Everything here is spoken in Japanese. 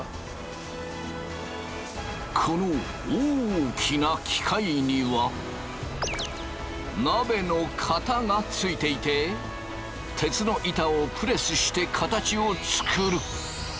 この大きな機械には鍋の型がついていて鉄の板をプレスして形を作る。